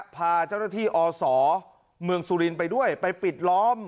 พาเจ้านที่อสเมืองสูรินไปด้วยไปปิดล้อม